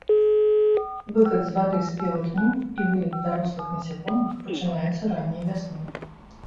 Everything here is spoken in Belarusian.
Выхад з вады спелых німф і вылет дарослых насякомых пачынаюцца ранняй вясной.